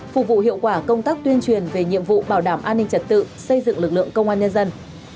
phục vụ hiệu quả công tác tuyên truyền về nhiệm vụ bảo đảm an ninh trật tự xây dựng lực lượng công an nhân dân